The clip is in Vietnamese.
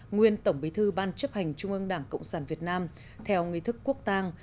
nguyên tổng bí thư ban chấp hành trung ương đảng cộng sản việt nam theo nghị thức quốc tàng